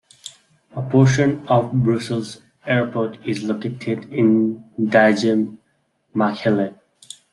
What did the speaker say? A portion of Brussels Airport is located in Diegem, Machelen.